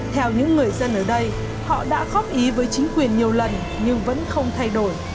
theo những người dân ở đây họ đã góp ý với chính quyền nhiều lần nhưng vẫn không thay đổi